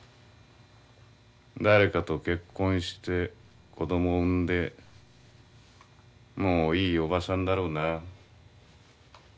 誰かと結婚して子供を産んでもういいおばさんだろうな。